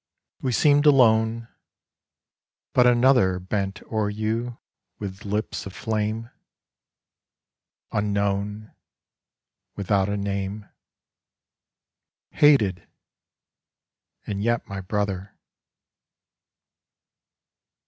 We seemed alone ; but another Bent o'er you with lips of flame ; Unknown, without a name, Hated— and yet my brother.